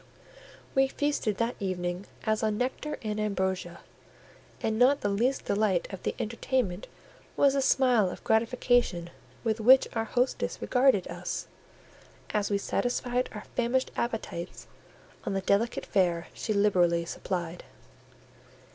We feasted that evening as on nectar and ambrosia; and not the least delight of the entertainment was the smile of gratification with which our hostess regarded us, as we satisfied our famished appetites on the delicate fare she liberally supplied.